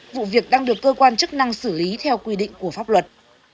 vụ việc đang được cơ quan chức năng xử lý theo quy định của pháp luật